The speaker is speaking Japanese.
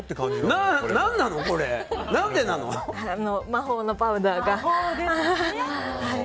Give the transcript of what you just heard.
魔法のパウダーが。